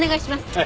はい。